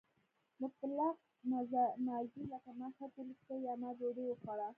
مطلق ماضي لکه ما خط ولیکه یا ما ډوډۍ وخوړه.